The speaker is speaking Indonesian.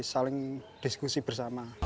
jadi saling diskusi bersama